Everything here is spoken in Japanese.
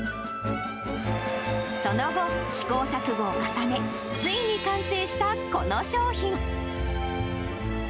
その後、試行錯誤を重ね、ついに完成したこの商品。